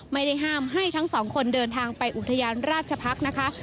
ไม่ได้ห้ามให้ทั้งสองคนเดินทางไปอุทยานราชพักษ์นะคะ